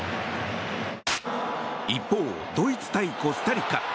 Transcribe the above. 一方ドイツ対コスタリカ。